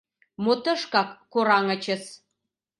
— Мо тышкак кораҥычыс!..»